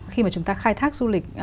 khi mà chúng ta khai thác du lịch